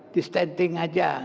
di stenting saja